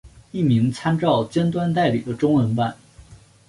译名参照尖端代理的中文版。